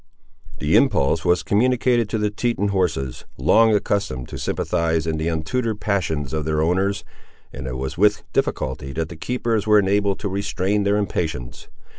The impulse was communicated to the Teton horses, long accustomed to sympathise in the untutored passions of their owners, and it was with difficulty that the keepers were enabled to restrain their impatience.